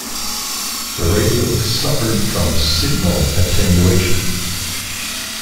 The radio suffered from signal attenuation.